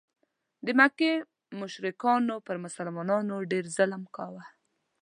د مکې مشرکانو پر مسلمانانو ډېر ظلم کاوه.